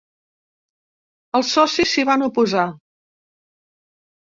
Els socis s'hi van oposar.